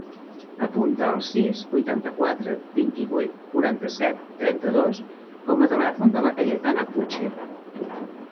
Apunta el sis, vuitanta-quatre, vint-i-vuit, quaranta-set, trenta-dos com a telèfon de la Cayetana Puche.